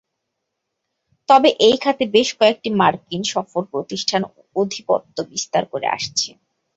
তবে এই খাতে বেশ কয়েকটি মার্কিন সফল প্রতিষ্ঠান আধিপত্য বিস্তার করে আসছে।